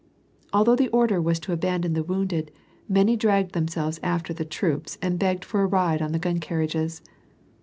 Although the order was to abandon the wounded, many dragged themselves after the troops and begged for a ride on the gun carriages.